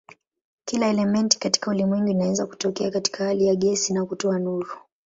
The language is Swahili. Kila elementi katika ulimwengu inaweza kutokea katika hali ya gesi na kutoa nuru.